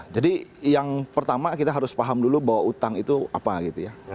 jadi yang pertama kita harus paham dulu bahwa utang itu apa gitu ya